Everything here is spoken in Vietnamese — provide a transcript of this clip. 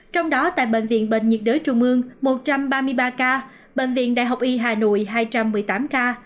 trong đó tại bệnh viện bệnh nhiệt đới trung ương một trăm ba mươi ba ca bệnh viện đại học y hà nội hai trăm một mươi tám ca